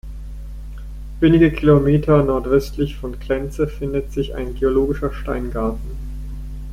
Wenige Kilometer nordwestlich von Clenze findet sich ein geologischer Steingarten.